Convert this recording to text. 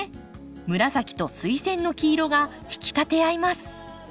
紫とスイセンの黄色が引き立て合います。